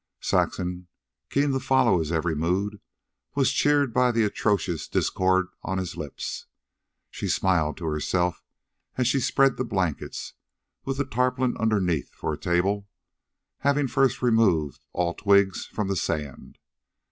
Saxon, keen to follow his every mood, was cheered by the atrocious discord on his lips. She smiled to herself as she spread the blankets, with the tarpaulin underneath, for a table, having first removed all twigs from the sand.